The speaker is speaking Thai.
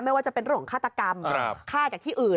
ไม่ว่าจะเป็นหลวงฆาตกรรมฆ่าจากที่อื่น